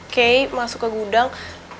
kay masuk ke gudang